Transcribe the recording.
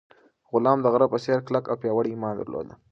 غلام د غره په څېر کلک او پیاوړی ایمان درلود.